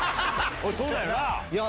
そうだよな。